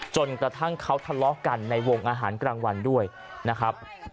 จนกระทั่งเขาทะเลาะกันในวงอาหารกลางวันด้วยนะครับ